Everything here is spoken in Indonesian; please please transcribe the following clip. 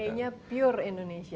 dna nya pure indonesia